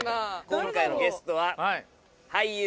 今回のゲストは。